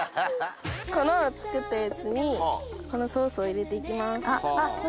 この作ったやつにこのソースを入れていきます。